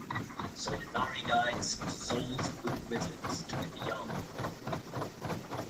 Solinari guides the souls of good wizards to the Beyond.